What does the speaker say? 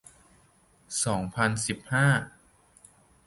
สองพันสิบห้า